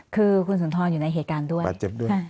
คือคุณสุนทรอยู่ในเหตุการณ์ด้วยบาดเจ็บด้วย